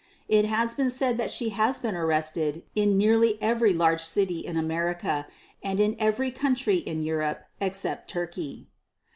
It has been said that she has been arrested in nearly every large city in America, and in every country in Europe ex cept Turkey.